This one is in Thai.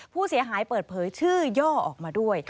ผู้เสียหายเปิดเผยชื่อย่อออกมาด้วย